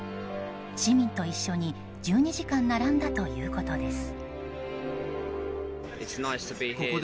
市民と一緒に１２時間並んだということです。